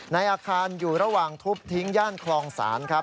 ในอาคารอยู่ระหว่างทุบทิ้งย่านคลองศาลครับ